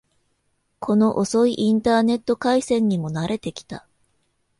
この遅いインターネット回線にも慣れてきた